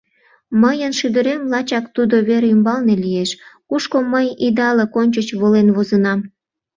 Мыйын шӱдырем лачак тудо вер ӱмбалне лиеш, кушко мый идалык ончыч волен возынам…